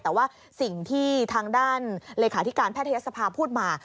แต่ว่าสิ่งที่ทางด้านเลขาธิการแพทยศภาพูดมา